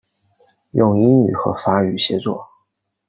用英语和法语写作。